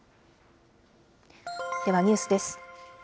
ではニュースです。